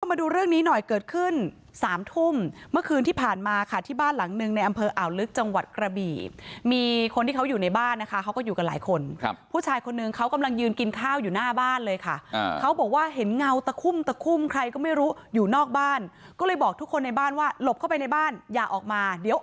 มาดูเรื่องนี้หน่อยเกิดขึ้นสามทุ่มเมื่อคืนที่ผ่านมาค่ะที่บ้านหลังหนึ่งในอำเภออ่าวลึกจังหวัดกระบี่มีคนที่เขาอยู่ในบ้านนะคะเขาก็อยู่กันหลายคนครับผู้ชายคนนึงเขากำลังยืนกินข้าวอยู่หน้าบ้านเลยค่ะเขาบอกว่าเห็นเงาตะคุ่มตะคุ่มใครก็ไม่รู้อยู่นอกบ้านก็เลยบอกทุกคนในบ้านว่าหลบเข้าไปในบ้านอย่าออกมาเดี๋ยว